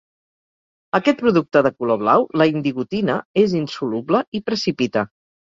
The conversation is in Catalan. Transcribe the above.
Aquest producte de color blau, la indigotina, és insoluble i precipita.